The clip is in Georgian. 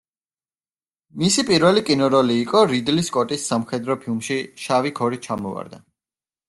მისი პირველი კინოროლი იყო რიდლი სკოტის სამხედრო ფილმში „შავი ქორი ჩამოვარდა“.